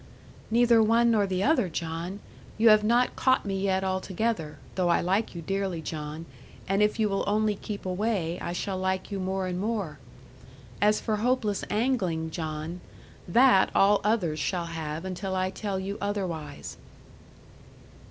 'Neither one nor the other, John! You have not caught me yet altogether, though I like you dearly John; and if you will only keep away, I shall like you more and more. As for hopeless angling, John that all others shall have until I tell you otherwise.'